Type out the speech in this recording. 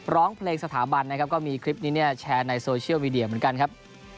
ร้องเพลงสถาบันนะครับก็มีคลิปนี้เนี่ยแชร์ในโซเชียลมีเดียเหมือนกันครับ